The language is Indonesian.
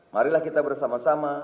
marilah kita bersama sama